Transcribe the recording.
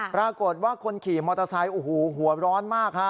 ปรากฏว่าคนขี่มอเตอร์ไซค์โอ้โหหัวร้อนมากฮะ